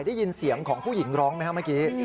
ได้ยินเสียงของผู้หญิงร้องไหมครับเมื่อกี้